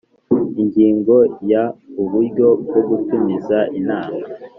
Ingingo ya uburyo bwo gutumiza inama